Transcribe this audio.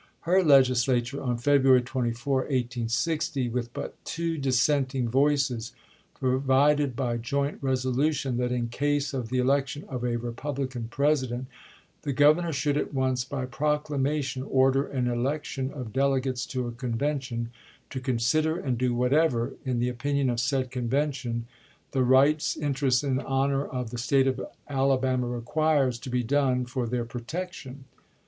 Her Legislature, on February 24, 1860, with but two dissenting voices, provided by joint resolution that in case of the election of a Republican Presi dent, the Governor should at once by proclamation order an election of delegates to a convention " to consider and do whatever in the opinion of said convention the rights, interests, and honor of the State of Alabama requires to be done for their protection."